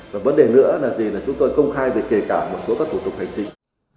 và vấn đề nữa là gì là chúng tôi công khai về kể cả một số các thủ tục hành chính